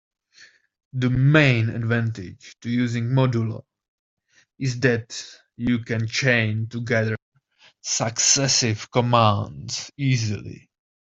The main advantage to using modulo is that you can chain together successive commands easily.